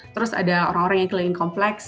terus ada orang orang yang keliling kompleks